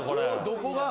どこが？